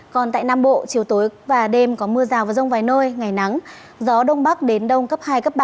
còn tại nam bộ chiều tối và đêm có mưa rào và rông vài nơi ngày nắng gió đông bắc đến đông cấp hai cấp ba